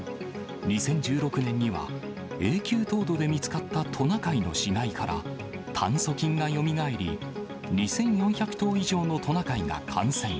２０１６年には、永久凍土で見つかったトナカイの死骸から、炭そ菌がよみがえり、２４００頭以上のトナカイが感染。